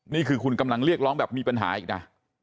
นี่คือคุณกำลังเรียกร้องแบบมีปัญหาอีกนะ